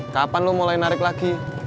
kapan lo mulai narik lagi